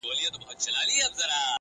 ورته مخ د بې بختۍ سي د خواریو!!